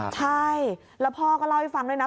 ใช่แล้วพ่อก็เล่าให้ฟังด้วยนะ